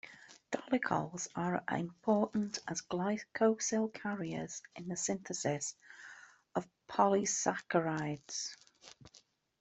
Dolichols are important as glycosyl carriers in the synthesis of polysaccharides.